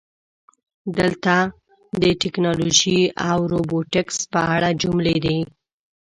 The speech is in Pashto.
دلته د "ټکنالوژي او روبوټیکس" په اړه جملې دي: